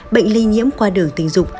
bệnh lây nhiễm qua đường tình dục